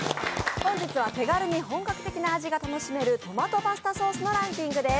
本日は手軽に本格的な味が楽しめるトマトパスタソースのランキングです。